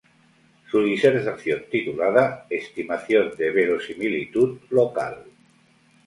Su disertación titulada "Estimación de Verosimilitud Local".